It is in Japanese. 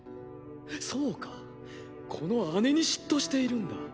そうかこの姉に嫉妬しているんだ。